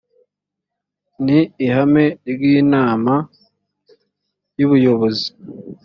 ni ihame ry’inama y’ubuyobozi